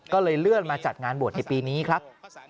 ก็เลยเลื่อนมาจัดงานบวชในปีนี้ครับ